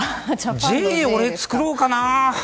Ｊを作ろうかな？